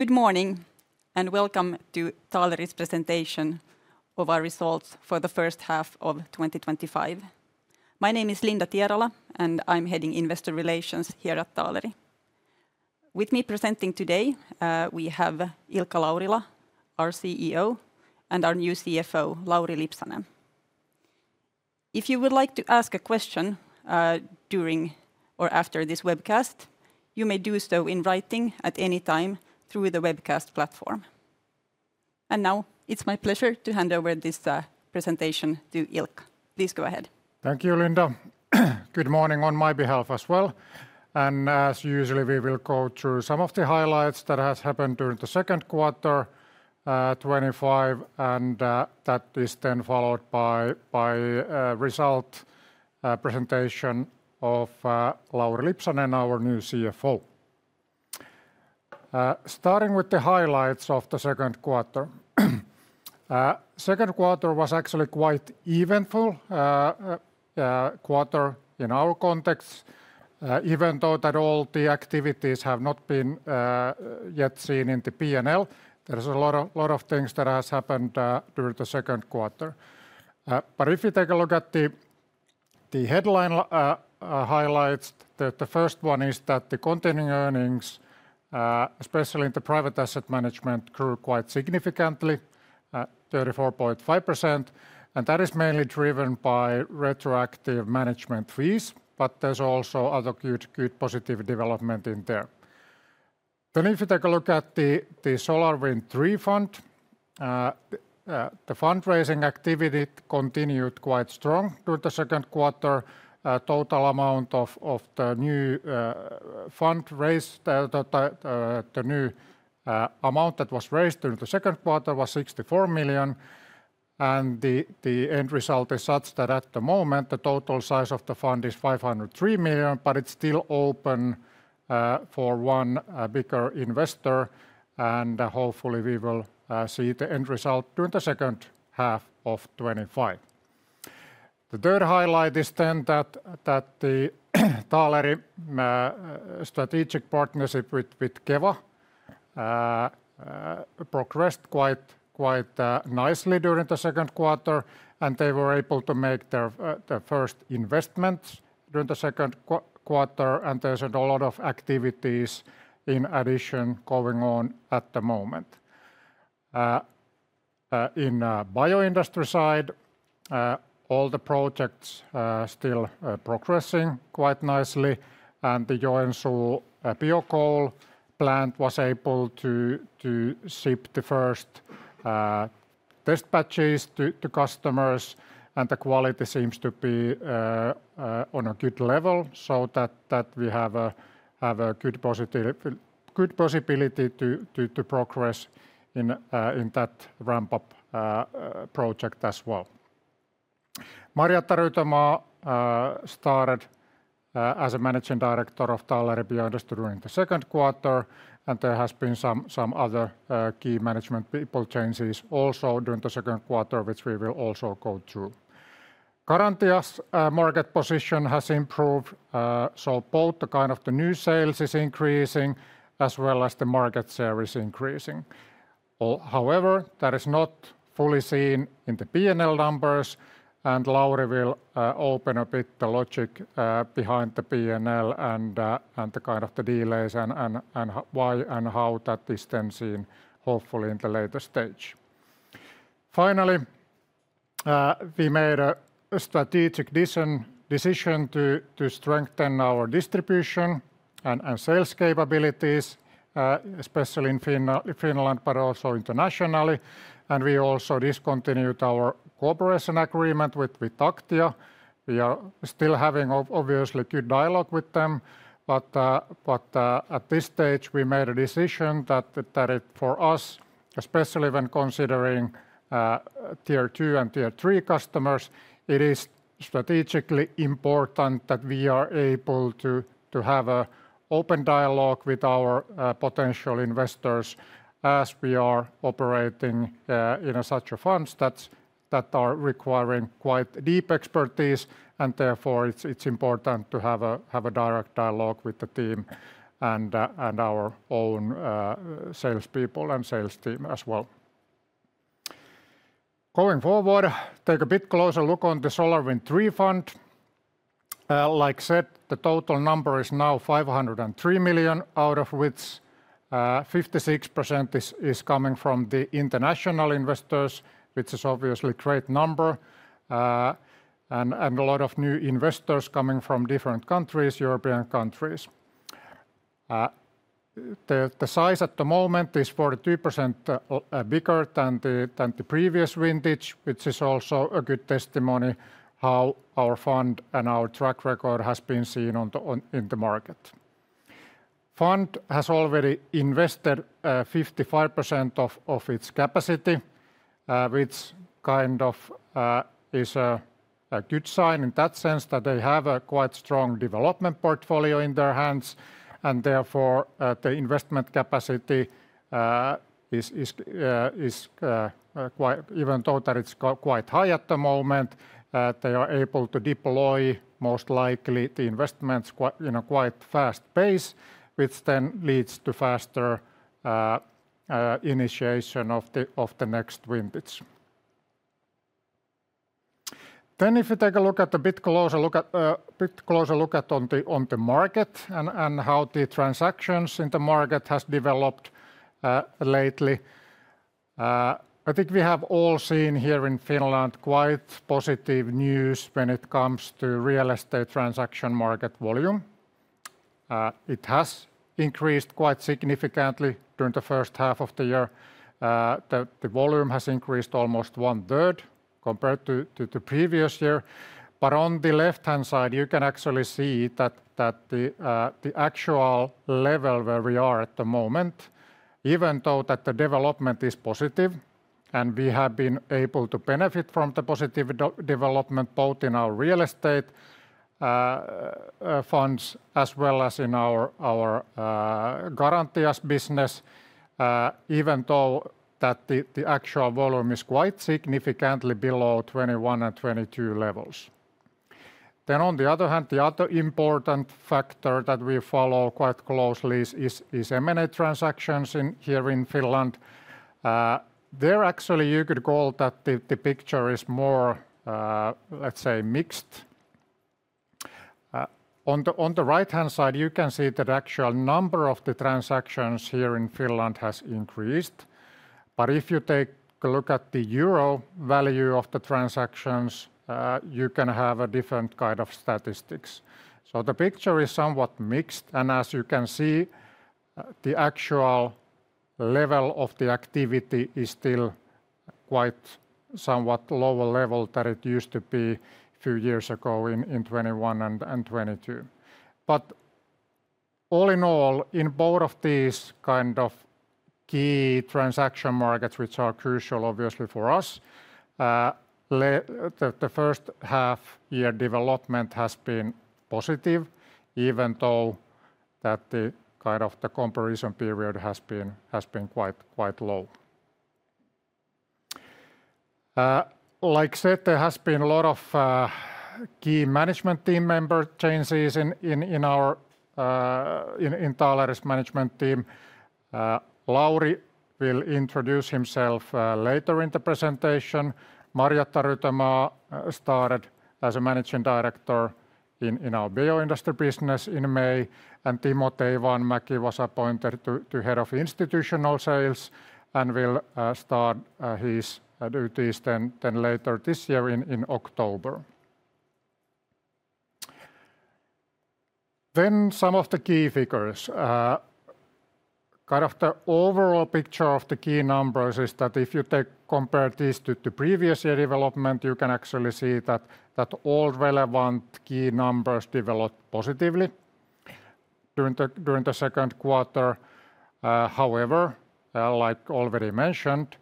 Good morning and welcome to Taaleri's Presentation of our Results for the first half of 2025. My name is Linda Tierala and I'm heading Investor Relations here at Taaleri. With me presenting today, we have Ilkka Laurila, our CEO, and our new CFO, Lauri Lipsanen. If you would like to ask a question during or after this webcast, you may do so in writing at any time through the webcast platform. Now it's my pleasure to hand over this presentation to Ilkka. Please go ahead. Thank you, Linda. Good morning on my behalf as well. As usually, we will go through some of the highlights that have happened during the second quarter of 2025, and that is then followed by the result presentation of Lauri Lipsanen, our new CFO. Starting with the highlights of the second quarter. The second quarter was actually quite an eventful quarter in our context, even though all the activities have not been yet seen in the P&L. There are a lot of things that have happened during the second quarter. If we take a look at the headline highlights, the first one is that the continuing earnings, especially in the private asset management, grew quite significantly, 34.5%. That is mainly driven by retroactive management fees, but there's also other good positive development in there. If you take a look at the SolarWind III Fund, the fundraising activity continued quite strong during the second quarter. The total amount of the new fund raised, the new amount that was raised during the second quarter was 64 million. The end result is such that at the moment, the total size of the fund is 503 million, but it's still open for one bigger investor. Hopefully, we will see the end result during the second half of 2025. The third highlight is that the Taaleri strategic partnership with Keva progressed quite nicely during the second quarter, and they were able to make their first investments during the second quarter. There is a lot of activities in addition going on at the moment. In the bioindustry side, all the projects are still progressing quite nicely. The Joensuu Biocoal plant was able to ship the first test batches to customers, and the quality seems to be on a good level, so that we have a good possibility to progress in that ramp-up project as well. Garantia's Rytömaa started as Managing Director of Taaleri Bioindustry during the second quarter, and there have been some other key management people changes also during the second quarter, which we will also go through. Garantia market position has improved, so both the kind of the new sales is increasing, as well as the market share is increasing. However, that is not fully seen in the P&L numbers, and Lauri will open a bit the logic behind the P&L and the kind of the delays and why and how that is then seen, hopefully, in the later stage. Finally, we made a strategic decision to strengthen our distribution and sales capabilities, especially in Finland, but also internationally. We also discontinued our cooperation agreement with Aktia. We are still having, obviously, good dialogue with them. At this stage, we made a decision that for us, especially when considering Tier II and Tier III customers, it is strategically important that we are able to have an open dialogue with our potential investors as we are operating in such funds that are requiring quite deep expertise. Therefore, it's important to have a direct dialogue with the team and our own salespeople and sales team as well. Going forward, take a bit closer look at the SolarWind III Fund. Like I said, the total number is now 503 million, out of which 56% is coming from international investors, which is obviously a great number. A lot of new investors are coming from different countries, European countries. The size at the moment is 42% bigger than the previous vintage, which is also a good testimony to how our fund and our track record have been seen in the market. The fund has already invested 55% of its capacity, which is a good sign in that sense that they have a quite strong development portfolio in their hands. Therefore, the investment capacity is quite, even though it's quite high at the moment, they are able to deploy most likely the investments at a quite fast pace, which then leads to faster initiation of the next vintage. If you take a closer look at the market and how the transactions in the market have developed lately, I think we have all seen here in Finland quite positive news when it comes to real estate transaction market volume. It has increased quite significantly during the first half of the year. The volume has increased almost 1/3 compared to the previous year. On the left-hand side, you can actually see that the actual level where we are at the moment, even though the development is positive, and we have been able to benefit from the positive development both in our real estate funds as well as in our Garantia business, the actual volume is quite significantly below 2021 and 2022 levels. On the other hand, the other important factor that we follow quite closely is M&A transactions here in Finland. There, you could call that the picture is more, let's say, mixed. On the right-hand side, you can see that the actual number of the transactions here in Finland has increased. If you take a look at the euro value of the transactions, you can have a different kind of statistics. The picture is somewhat mixed. As you can see, the actual level of the activity is still quite somewhat lower level than it used to be a few years ago in 2021 and 2022. All in all, in both of these kind of key transaction markets, which are crucial, obviously, for us, the first half-year development has been positive, even though the kind of the comparison period has been quite low. Like I said, there has been a lot of key management team members changes in our Taaleri's management team. Lauri will introduce himself later in the presentation. Marjatta Rytömaa started as Managing Director in our bioindustry business in May. Timo Teivaanmäki was appointed to Head of Institutional Sales and will start his duties later this year in October. Some of the key figures. Kind of the overall picture of the key numbers is that if you compare this to the previous year development, you can actually see that all relevant key numbers developed positively during the second quarter. However, like already mentioned,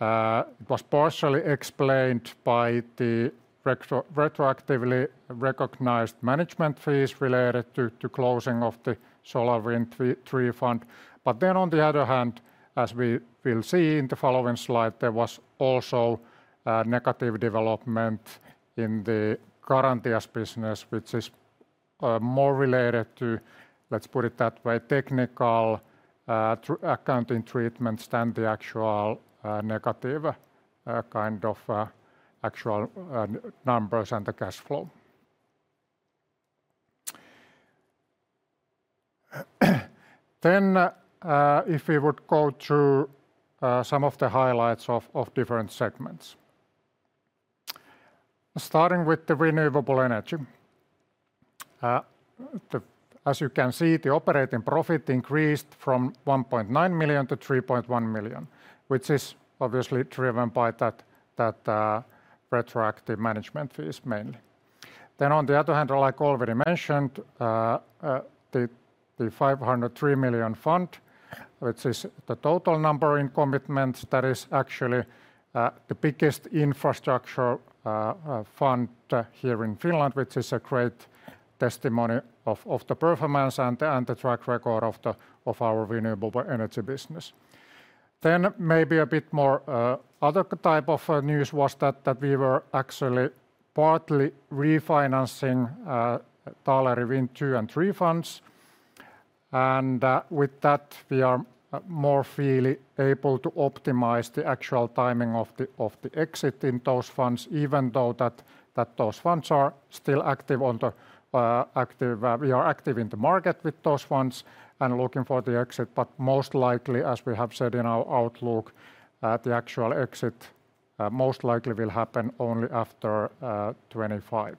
it was partially explained by the retroactively recognized management fees related to closing of the SolarWind III fund. On the other hand, as we will see in the following slide, there was also a negative development in the Garantia business, which is more related to, let's put it that way, technical accounting treatments than the actual negative kind of actual numbers and the cash flow. If we would go through some of the highlights of different segments. Starting with the renewable energy. As you can see, the operating profit increased from 1.9 million-3.1 million, which is obviously driven by that retroactive management fees mainly. On the other hand, like I already mentioned, the 503 million fund, which is the total number in commitments, that is actually the biggest infrastructure fund here in Finland, which is a great testimony of the performance and the track record of our renewable energy business. Maybe a bit more other type of news was that we were actually partly refinancing Taaleri Wind II and III Funds. With that, we are more freely able to optimize the actual timing of the exit in those funds, even though those funds are still active. We are active in the market with those funds and looking for the exit. Most likely, as we have said in our outlook, the actual exit most likely will happen only after 2025.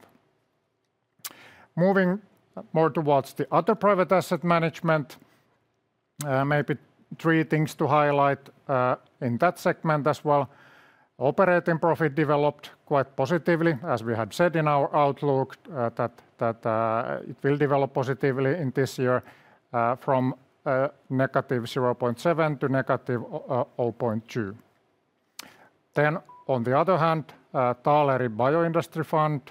Moving more towards the other private asset management, maybe three things to highlight in that segment as well. Operating profit developed quite positively, as we had said in our outlook, that it will develop positively in this year from -0.7% to -0.2%. On the other hand, Taaleri Bioindustry Fund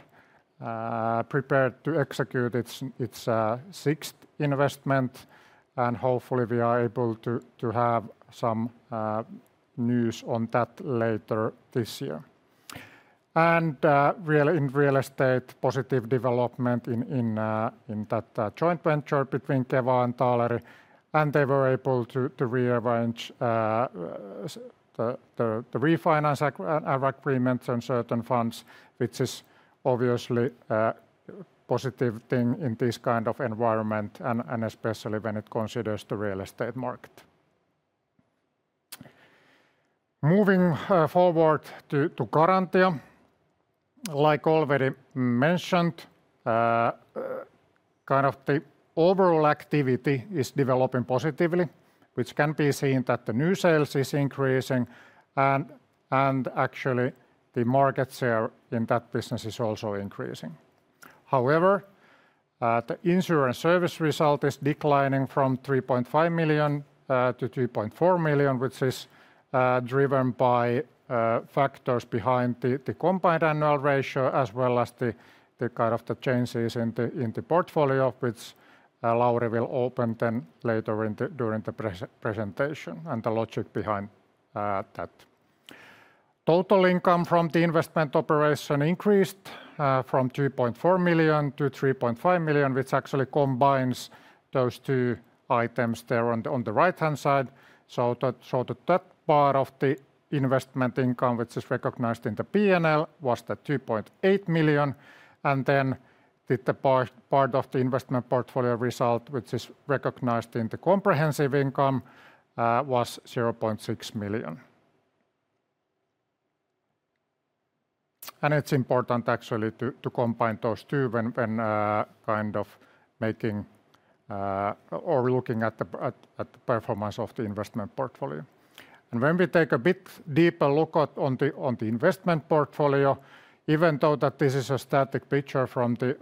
prepared to execute its sixth investment. Hopefully, we are able to have some news on that later this year. In real estate, positive development in that joint venture between Keva and Taaleri. They were able to rearrange the refinance agreements on certain funds, which is obviously a positive thing in this kind of environment, especially when it considers the real estate market. Moving forward to Garantia, like already mentioned, kind of the overall activity is developing positively, which can be seen that the new sales are increasing. Actually, the market share in that business is also increasing. However, the insurance service result is declining from 3.5 million-2.4 million, which is driven by factors behind the combined annual ratio, as well as the kind of the changes in the portfolio, which Lauri will open then later during the presentation and the logic behind that. Total income from the investment operation increased from 2.4 million-3.5 million, which actually combines those two items there on the right-hand side. That part of the investment income, which is recognized in the P&L, was the 2.8 million. The part of the investment portfolio result, which is recognized in the comprehensive income, was EUR 0.6 million. It's important actually to combine those two when kind of making or looking at the performance of the investment portfolio. When we take a bit deeper look on the investment portfolio, even though this is a static picture from the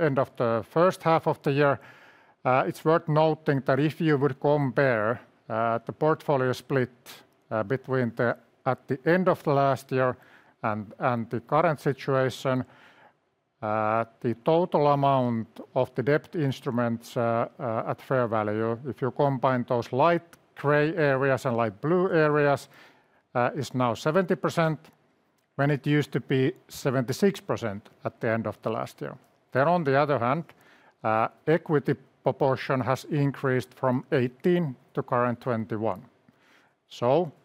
end of the first half of the year, it's worth noting that if you would compare the portfolio split between at the end of the last year and the current situation, the total amount of the debt instruments at fair value, if you combine those light gray areas and light blue areas, is now 70% when it used to be 76% at the end of the last year. On the other hand, equity proportion has increased from 18% to current 21%.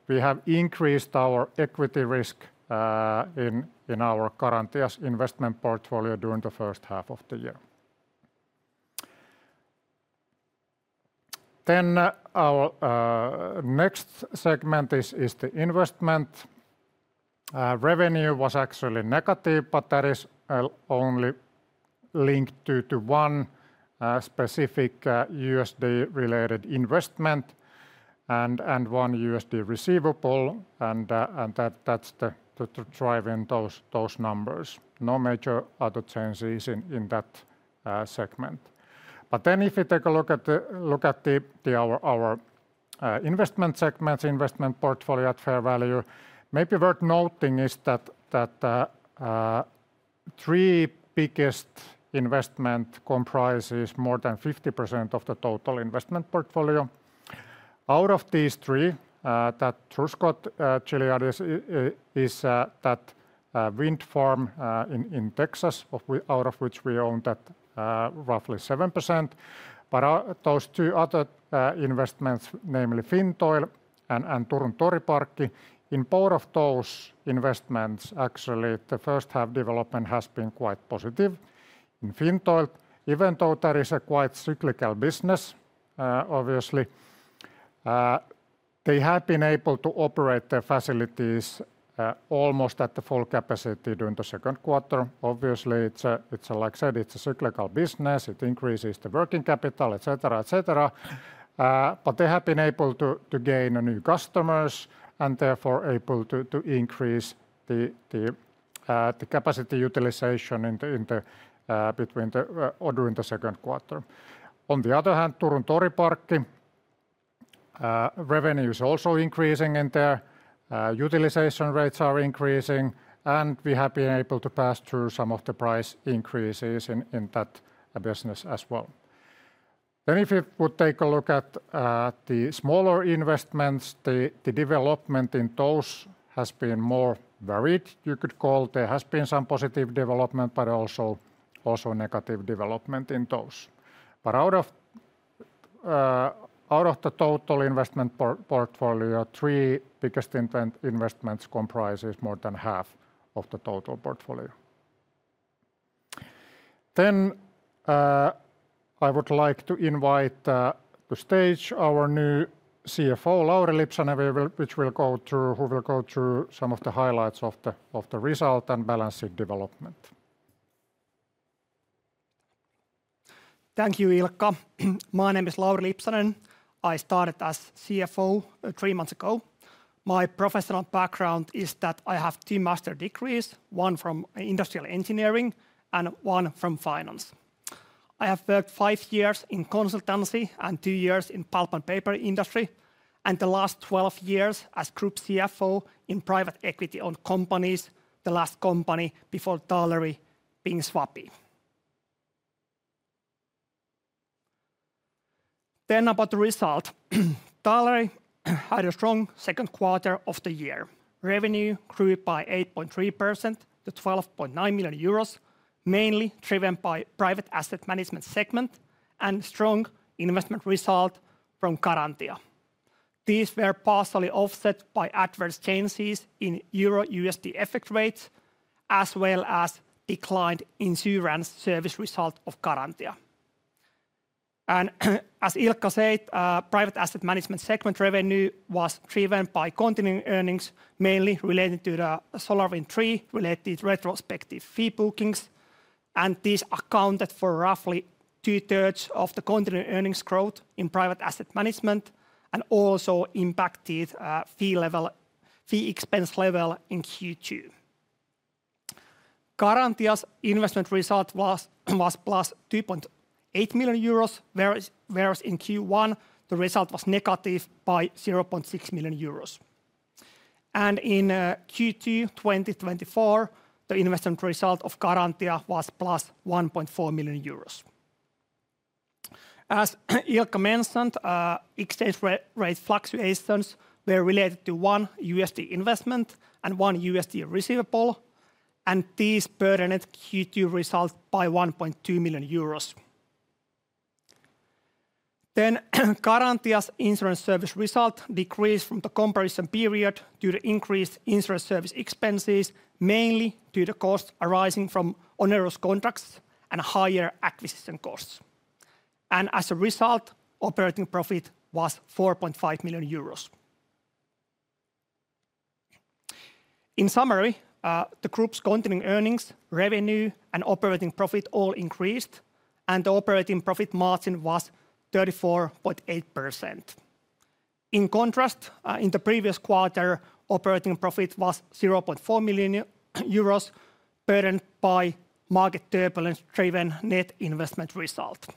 We have increased our equity risk in our Garantia's investment portfolio during the first half of the year. Our next segment is the investment. Revenue was actually negative, but that is only linked to one specific USD-related investment and one USD receivable. That's driving those numbers. No major other changes in that segment. If you take a look at our investment segments, investment portfolio at fair value, maybe worth noting is that the three biggest investments comprise more than 50% of the total investment portfolio. Out of these three, Truscott-Gilliland is that wind farm in Texas, out of which we own roughly 7%. Those two other investments, namely Fintoil and Turun Toriparkki, in both of those investments, actually the first half development has been quite positive in Fintoil, even though that is a quite cyclical business, obviously. They have been able to operate their facilities almost at full capacity during the second quarter. Obviously, it's a, like I said, it's a cyclical business. It increases the working capital, etc., etc. They have been able to gain new customers and therefore able to increase the capacity utilization between the order in the second quarter. On the other hand, Turun Toriparkki revenue is also increasing in there. Utilization rates are increasing. We have been able to pass through some of the price increases in that business as well. If you would take a look at the smaller investments, the development in those has been more varied, you could call. There has been some positive development, but also negative development in those. Out of the total investment portfolio, three biggest investments comprise more than half of the total portfolio. I would like to invite to stage our new CFO, Lauri Lipsanen, who will go through some of the highlights of the result and balancing development. Thank you, Ilkka. My name is Lauri Lipsanen. I started as CFO three months ago. My professional background is that I have two master's degrees, one from industrial engineering and one from finance. I have worked five years in consultancy and two years in pulp and paper industry, and the last 12 years as group CFO in private equity-owned companies, the last company before Taaleri being . About the result, Taaleri had a strong second quarter of the year. Revenue grew by 8.3% to 12.9 million euros, mainly driven by the private asset management segment and strong investment result from Garantia. These were partially offset by adverse changes in EUR/USD exchange rates, as well as declined insurance service results of Garantia. As Ilkka said, private asset management segment revenue was driven by continuing earnings, mainly related to the SolarWind III-related retrospective fee bookings. This accounted for roughly 2/3 of the continuing earnings growth in private asset management and also impacted fee expense level in Q2. Garantia's investment result was +2.8 million euros, whereas in Q1, the result was negative by 0.6 million euros. In Q2 2024, the investment result of Garantia was +1.4 million euros. As Ilkka mentioned, exchange rate fluctuations were related to one USD investment and one USD receivable, and these burdened Q2 results by 1.2 million euros. Garantia's insurance service result decreased from the comparison period due to increased insurance service expenses, mainly due to costs arising from onerous contracts and higher acquisition costs. As a result, operating profit was EUR 4.5 million. In summary, the group's continuing earnings, revenue, and operating profit all increased, and the operating profit margin was 34.8%. In contrast, in the previous quarter, operating profit was 0.4 million euros, burdened by market turbulence-driven net investment result.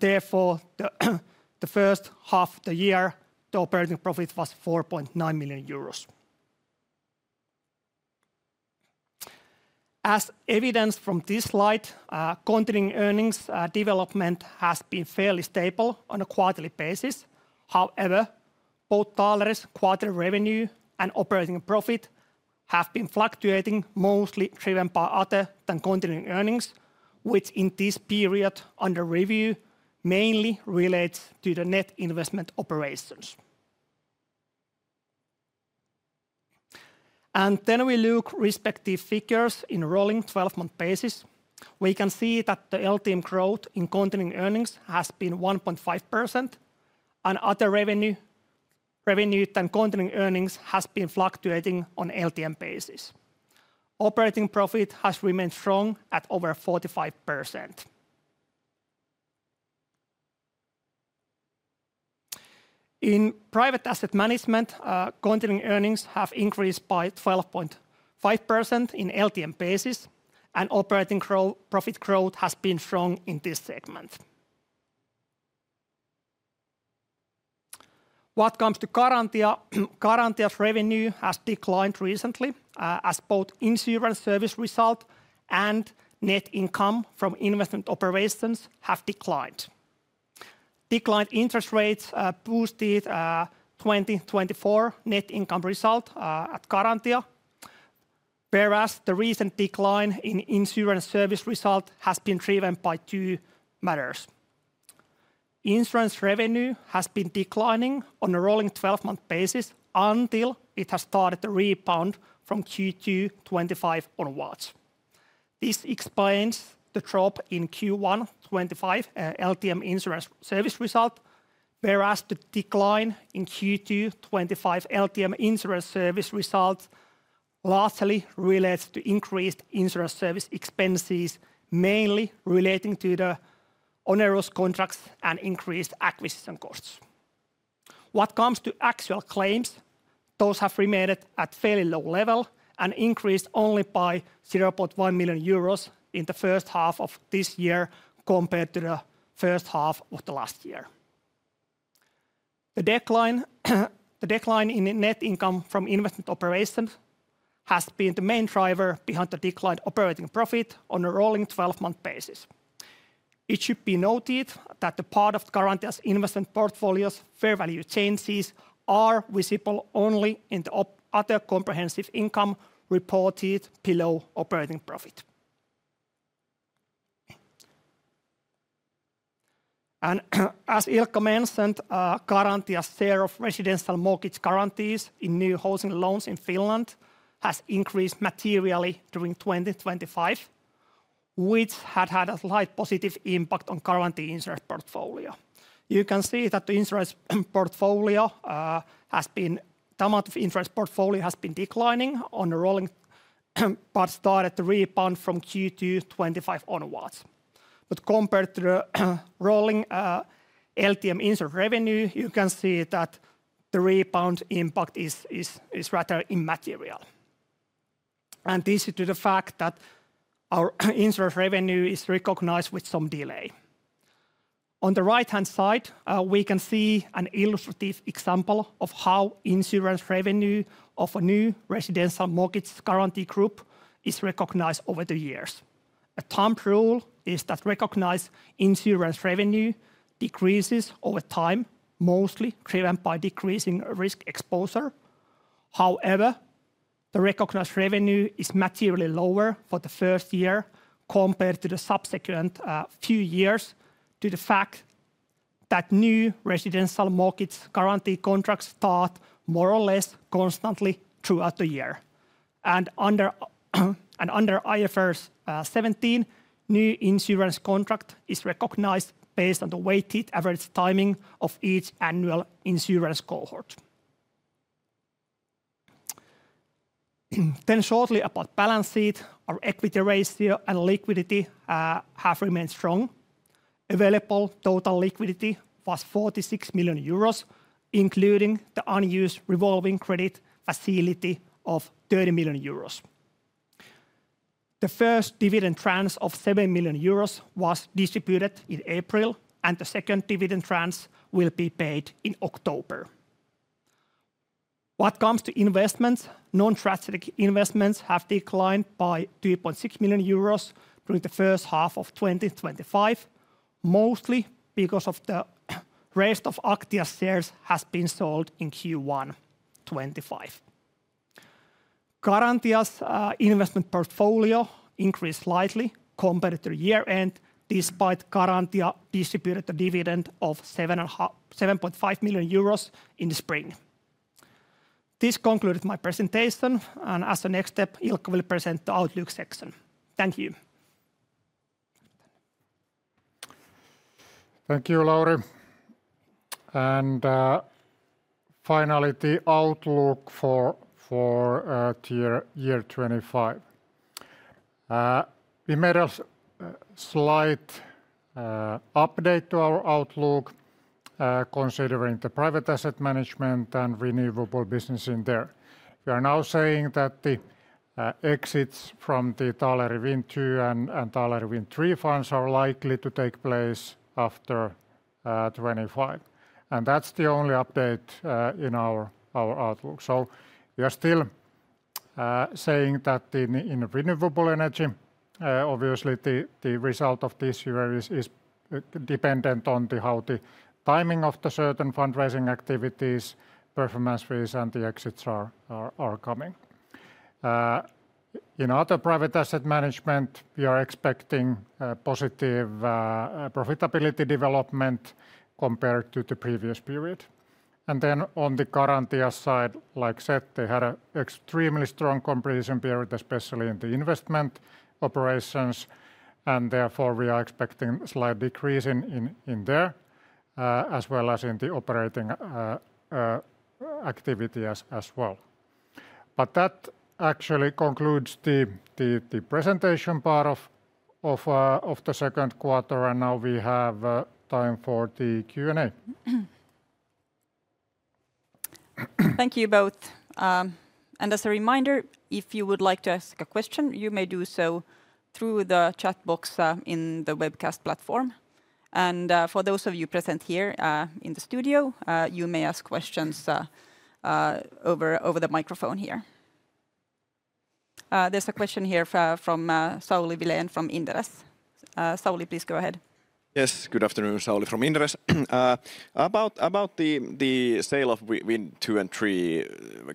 Therefore, the first half of the year, the operating profit was 4.9 million euros. As evidenced from this slide, continuing earnings development has been fairly stable on a quarterly basis. However, both Taaleri's quarterly revenue and operating profit have been fluctuating, mostly driven by other than continuing earnings, which in this period under review mainly relates to the net investment operations. We look at respective figures in a rolling 12-month basis. We can see that the LTM growth in continuing earnings has been 1.5%, and other revenue than continuing earnings has been fluctuating on an LTM basis. Operating profit has remained strong at over 45%. In private asset management, continuing earnings have increased by 12.5% on an LTM basis, and operating profit growth has been strong in this segment. What comes to Garantia's? Garantia's revenue has declined recently as both insurance service result and net income from investment operations have declined. Declined interest rates boosted the 2024 net income result at Garantia, whereas the recent decline in insurance service result has been driven by two matters. Insurance revenue has been declining on a rolling 12-month basis until it has started to rebound from Q2 2025 onwards. This explains the drop in Q1 2025 LTM insurance service result, whereas the decline in Q2 2025 LTM insurance service result largely relates to increased insurance service expenses, mainly relating to the onerous contracts and increased acquisition costs. What comes to actual claims, those have remained at a fairly low level and increased only by 0.1 million euros in the first half of this year compared to the first half of the last year. The decline in net income from investment operations has been the main driver behind the declined operating profit on a rolling 12-month basis. It should be noted that the part of Garantia's investment portfolio's fair value changes are visible only in the other comprehensive income reported below operating profit. As Ilkka mentioned, Garantia's share of residential mortgage guarantees in new housing loans in Finland has increased materially during 2025, which had had a slight positive impact on Garantia's insurance portfolio. You can see that the insurance portfolio has been, the amount of insurance portfolio has been declining on a rolling but started to rebound from Q2 2025 onwards. Compared to the rolling LTM insurance revenue, you can see that the rebound impact is rather immaterial. This is due to the fact that our insurance revenue is recognized with some delay. On the right-hand side, we can see an illustrative example of how insurance revenue of a new residential mortgage guarantee group is recognized over the years. A TAMP rule is that recognized insurance revenue decreases over time, mostly driven by decreasing risk exposure. However, the recognized revenue is materially lower for the first year compared to the subsequent few years due to the fact that new residential mortgage guarantee contracts start more or less constantly throughout the year. Under IFRS 17, new insurance contracts are recognized based on the weighted average timing of each annual insurance cohort. Shortly about balance sheet, our equity ratio and liquidity have remained strong. Available total liquidity was 46 million euros, including the unused revolving credit facility of 30 million euros. The first dividend tranche of 7 million euros was distributed in April, and the second dividend tranche will be paid in October. What comes to investments, non-strategic investments have declined by 2.6 million euros during the first half of 2025, mostly because of the rest of Aktia's shares that have been sold in Q1 2025. Garantia's investment portfolio increased slightly compared to year-end, despite Garantia Insurance Company's distributed dividend of 7.5 million euros in the spring. This concludes my presentation. As a next step, Ilkka will present the outlook section. Thank you. Thank you, Lauri. Finally, the outlook for year 2025. We made a slight update to our outlook considering the private asset management and renewable business in there. We are now saying that the exits from the Taaleri Wind II and Taaleri Wind III Funds are likely to take place after 2025. That's the only update in our outlook. We are still saying that in renewable energy, obviously, the result of this year is dependent on how the timing of the certain fundraising activities, performance fees, and the exits are coming. In other private asset management, we are expecting positive profitability development compared to the previous period. On the Garantia's side, like I said, they had an extremely strong comparison period, especially in the investment operations. Therefore, we are expecting a slight decrease in there, as well as in the operating activity as well. That actually concludes the presentation part of the second quarter. Now we have time for the Q&A. Thank you both. As a reminder, if you would like to ask a question, you may do so through the chat box in the webcast platform. For those of you present here in the studio, you may ask questions over the microphone here. There's a question here from Sauli Vilén from Inderes. Sauli, please go ahead. Yes, good afternoon, Sauli from Inderes. About the sale of Taaleri Wind II and III,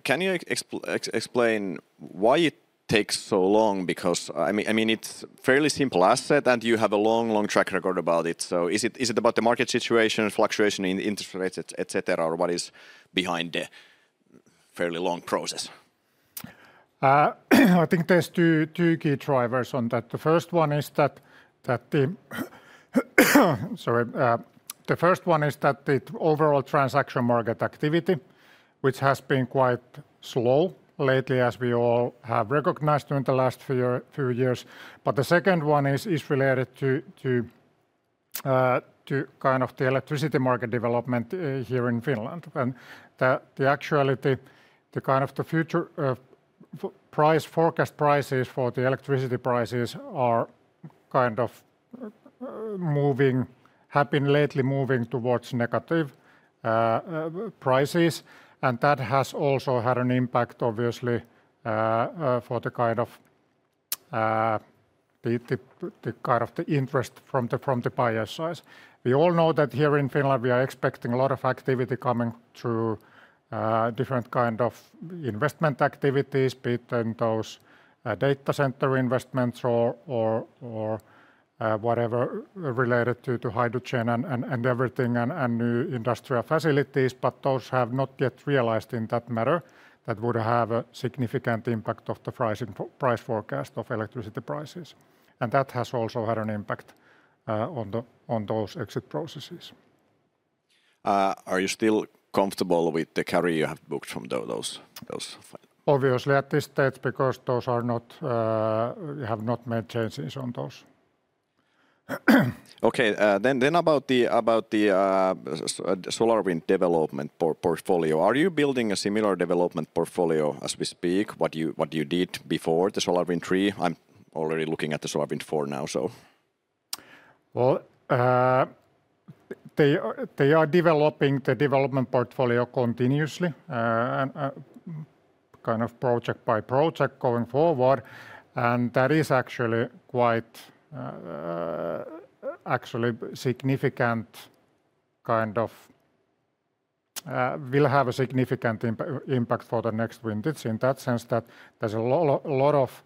can you explain why it takes so long? I mean, it's a fairly simple asset and you have a long, long track record about it. Is it about the market situation, fluctuation in interest rates, etc., or what is behind the fairly long process? I think there are two key drivers on that. The first one is that the overall transaction market activity, which has been quite slow lately, as we all have recognized during the last few years. The second one is related to the electricity market development here in Finland. In actuality, the future price forecast prices for the electricity prices are moving, have been lately moving towards negative prices. That has also had an impact, obviously, for the interest from the buyer side. We all know that here in Finland, we are expecting a lot of activity coming through different kinds of investment activities, be it in those data center investments or whatever related to hydrogen and everything and new industrial facilities. Those have not yet realized in that matter that would have a significant impact on the price forecast of electricity prices. That has also had an impact on those exit processes. Are you still comfortable with the carrier you have booked from those? Obviously, at this stage, because those are not, we have not made changes on those. Okay. About the SolarWind development portfolio, are you building a similar development portfolio as we speak? What you did before the SolarWind III? I'm already looking at the SolarWind IV now. They are developing the development portfolio continuously, kind of project by project going forward. That is actually quite, actually significant, kind of will have a significant impact for the next vintage, in that sense that there's a lot of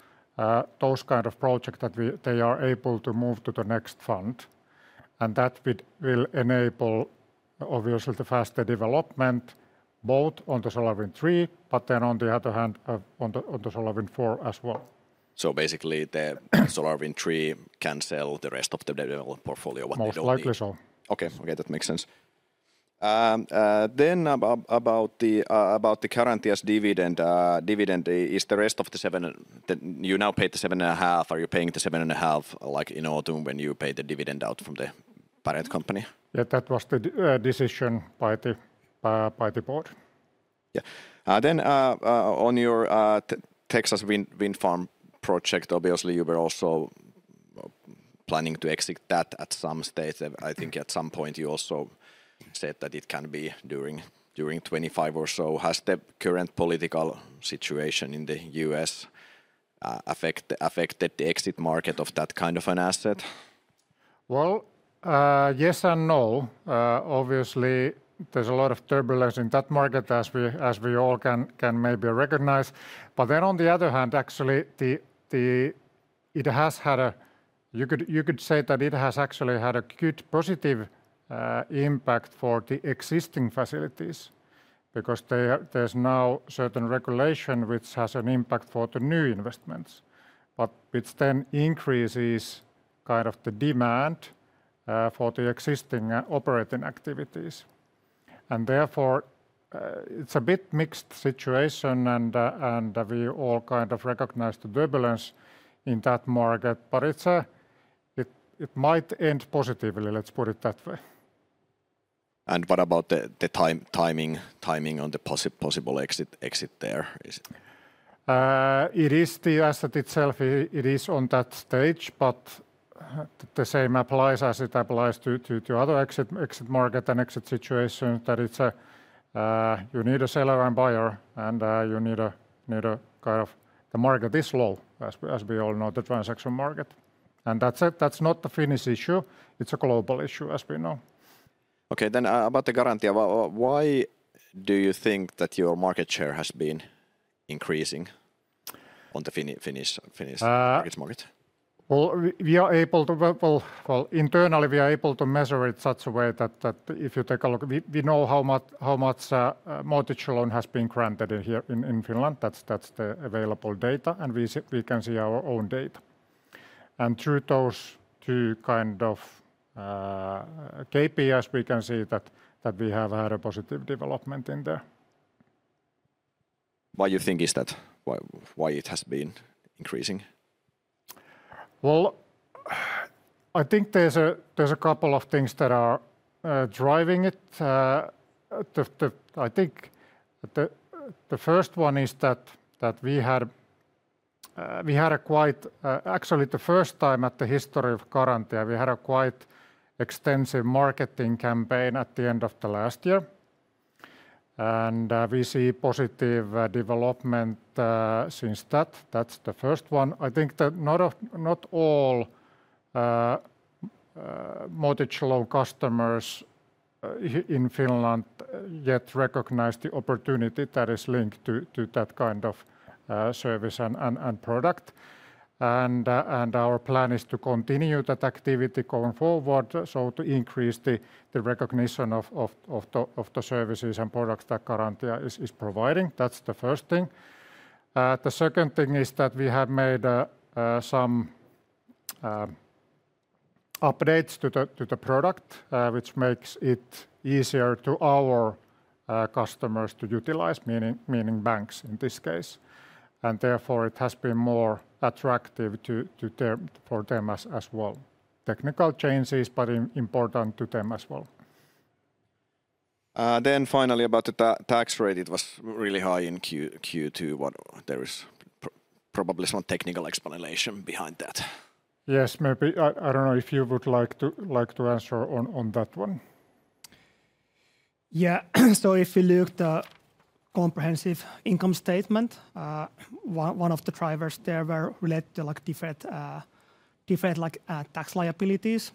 those kinds of projects that they are able to move to the next fund. That will enable, obviously, the faster development, both on the SolarWind III, but then on the other hand, on the SolarWind IV as well. Basically, the SolarWind III fund can sell the rest of the development portfolio? Most likely so. Okay. Okay, that makes sense. Then about the Garantia's dividend, is the rest of the seven, you now pay the 7.5%, are you paying the 7.5% like in autumn when you pay the dividend out from the parent company? Yeah, that was the decision by the board. On your Texas wind farm project, you were also planning to exit that at some stage. I think at some point you also said that it can be during 2025 or so. Has the current political situation in the U.S. affected the exit market of that kind of an asset? Well, yes and no. Obviously, there's a lot of turbulence in that market as we all may be can may be recognize, while on the other hand, actually it has a huge positive impact for the existing facilities because there is now certain regulation which has an impact for the new investments, it then increases demand for the existing operating activities. Therefore, it's a bit mixed situation, and we all recognize the balance in that market, but it might end positively, let's put it that way. And what about the timing of the possible exit there? It is the asset itself. It is on that stage, but the same applies as it applies to other exit markets and exit situations that you need a seller and buyer, and you need a kind of, the market is slow, as we all know, the transaction market. That's it. That's not the Finnish issue. It's a global issue, as we know. Okay. About the guarantee, why do you think that your market share has been increasing on the Finnish market? Internally, we are able to measure it such a way that if you take a look, we know how much mortgage loan has been granted here in Finland. That's the available data, and we can see our own data. Through those two kind of KPIs, we can see that we have had a positive development in there. Why do you think that is? Why has it been increasing? I think there's a couple of things that are driving it. The first one is that we had, actually, the first time in the history of Garantia, a quite extensive marketing campaign at the end of last year. We see positive development since that. That's the first one. I think that not all mortgage loan customers in Finland yet recognize the opportunity that is linked to that kind of service and product. Our plan is to continue that activity going forward, to increase the recognition of the services and products that Garantia is providing. That's the first thing. The second thing is that we have made some updates to the product, which makes it easier for our customers to utilize, meaning banks in this case. Therefore, it has been more attractive for them as well. Technical changes, but important to them as well. Finally, about the tax rate, it was really high in Q2. There is probably some technical explanation behind that. Yes, maybe. I don't know if you would like to answer on that one. Yeah, if you look at the comprehensive income statement, one of the drivers there were related to different tax liabilities.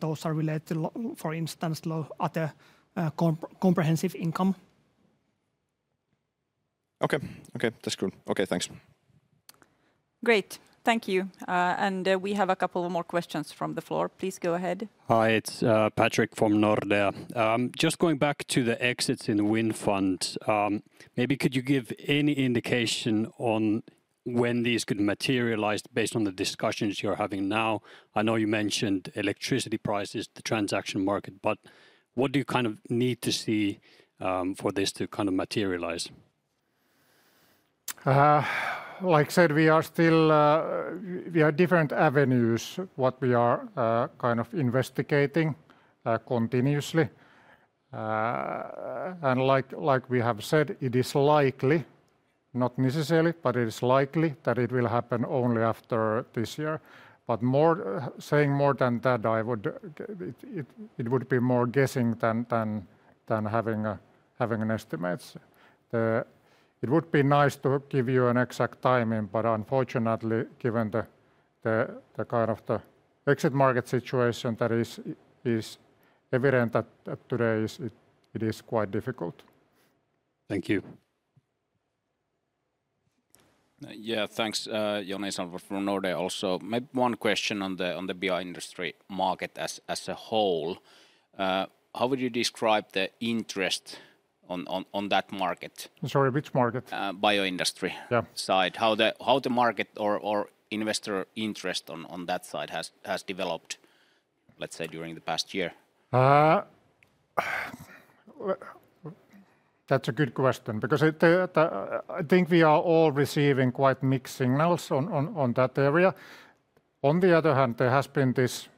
Those are related to, for instance, other comprehensive income. Okay, that's cool. Okay, thanks. Great, thank you. We have a couple more questions from the floor. Please go ahead. Hi, it's Patrick from Nordea. Just going back to the exits in the wind fund, maybe could you give any indication on when these could materialize based on the discussions you're having now? I know you mentioned electricity prices, the transaction market, but what do you kind of need to see for this to kind of materialize? Like I said, we have different avenues we are kind of investigating continuously. Like we have said, it is likely, not necessarily, but it is likely that it will happen only after this year. Saying more than that would be more guessing than having an estimate. It would be nice to give you an exact timing, but unfortunately, given the kind of exit market situation that is evident today, it is quite difficult. Thank you. Yeah, thanks, Joni Sandvall from Nordea also. Maybe one question on the bioindustry market as a whole. How would you describe the interest on that market? Sorry, which market? Bioindustry side, how the market or investor interest on that side has developed, let's say, during the past year? That's a good question because I think we are all receiving quite mixed signals on that area. On the other hand, there has been this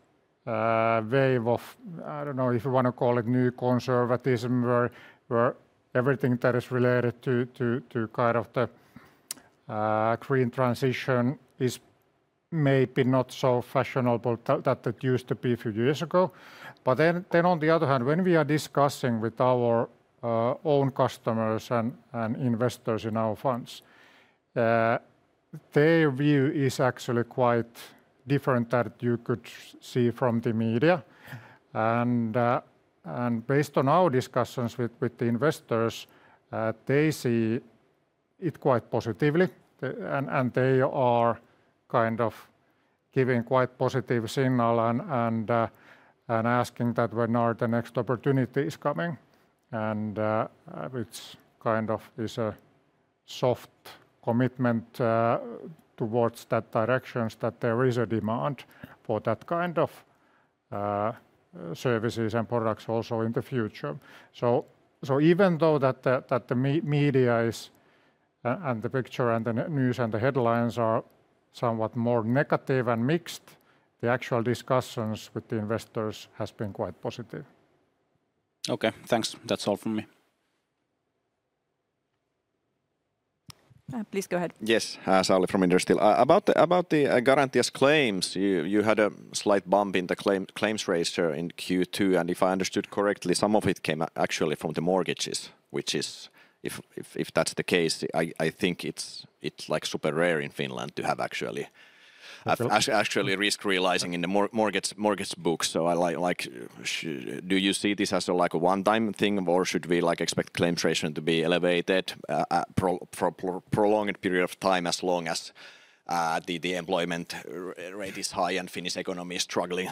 wave of, I don't know if you want to call it new conservatism, where everything that is related to kind of the green transition is maybe not so fashionable that it used to be a few years ago. When we are discussing with our own customers and investors in our funds, their view is actually quite different than you could see from the media. Based on our discussions with the investors, they see it quite positively. They are kind of giving quite positive signals and asking that when are the next opportunities coming. It's kind of a soft commitment towards that direction that there is a demand for that kind of services and products also in the future. Even though the media and the picture and the news and the headlines are somewhat more negative and mixed, the actual discussions with the investors have been quite positive. Okay, thanks. That's all from me. Please go ahead. Yes, Sauli from Inderes. About the Garantia's claims, you had a slight bump in the claims ratio in Q2. If I understood correctly, some of it came actually from the mortgages, which is, if that's the case, I think it's like super rare in Finland to have actually risk realizing in the mortgage books. Do you see this as a one-time thing or should we expect claims ratio to be elevated for a prolonged period of time as long as the employment rate is high and the Finnish economy is struggling?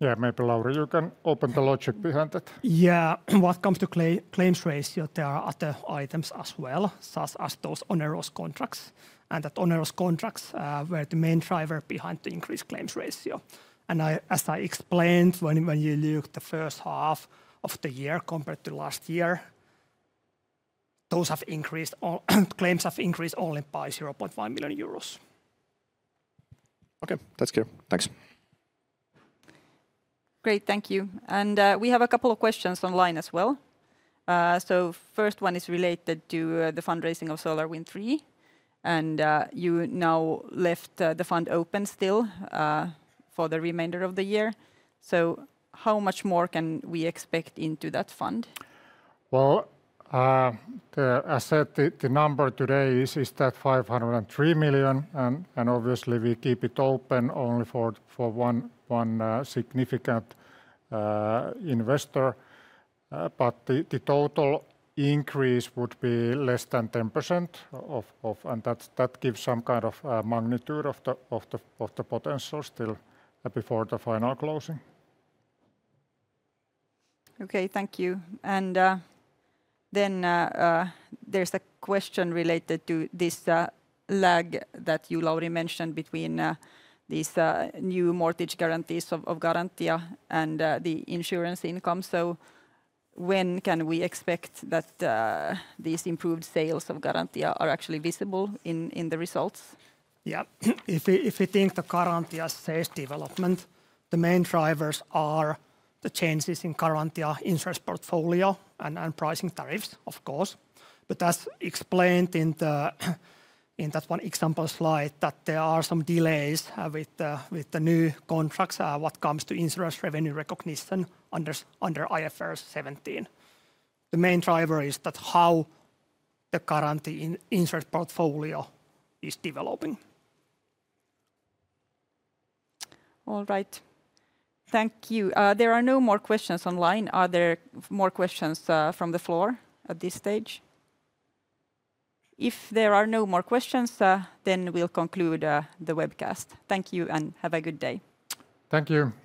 Yeah, maybe Lauri, you can open the logic behind it. Yeah, when it comes to claims ratio, there are other items as well, such as those onerous contracts. Those onerous contracts were the main driver behind the increased claims ratio. As I explained, when you look at the first half of the year compared to last year, those have increased, claims have increased only by 0.5 million euros. Okay, that's clear. Thanks. Great, thank you. We have a couple of questions online as well. The first one is related to the fundraising of SolarWind III. You now left the fund open still for the remainder of the year. How much more can we expect into that fund? As I said, the number today is that 503 million. Obviously, we keep it open only for one significant investor, but the total increase would be less than 10%. That gives some kind of magnitude of the potential still before the final closing. Okay, thank you. There is a question related to this lag that you already mentioned between these new mortgage guarantees of Garantia and the insurance income. When can we expect that these improved sales of Garantia are actually visible in the results? Yeah, if we think the Garantia's sales development, the main drivers are the changes in Garantia's insurance portfolio and pricing tariffs, of course. As explained in that one example slide, there are some delays with the new contracts and what comes to insurance revenue recognition under IFRS 17. The main driver is how the Garantia's insurance portfolio is developing. All right, thank you. There are no more questions online. Are there more questions from the floor at this stage? If there are no more questions, we'll conclude the webcast. Thank you and have a good day. Thank you. Thanks.